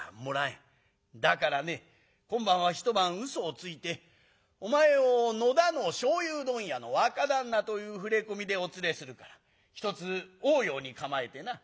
だからね今晩は一晩うそをついてお前を野田の醤油問屋の若旦那という触れ込みでお連れするからひとつおおように構えてな。